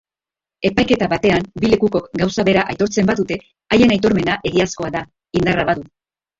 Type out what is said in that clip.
Epaiketa batean bi lekukok gauza bera aitortzen badute, haien aitormena egiazkoa da, indarra badu.